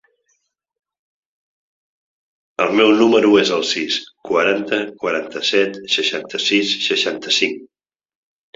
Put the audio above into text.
El meu número es el sis, quaranta, quaranta-set, seixanta-sis, seixanta-cinc.